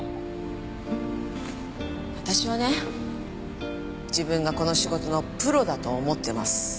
私はね自分がこの仕事のプロだと思ってます。